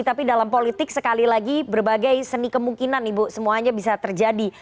tapi dalam politik sekali lagi berbagai seni kemungkinan ibu semuanya bisa terjadi